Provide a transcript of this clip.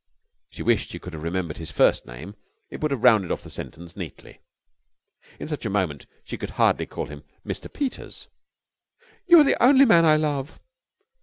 She wished she could have remembered his first name. It would have rounded off the sentence neatly. In such a moment she could hardly call him 'Mr. Peters.' "You are the only man I love."